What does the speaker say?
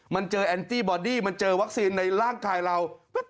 มันเจอแอนตี้บอดี้มันเจอวัคซีนในร่างกายเรา